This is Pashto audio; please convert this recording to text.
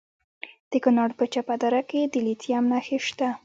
د کونړ په چپه دره کې د لیتیم نښې شته.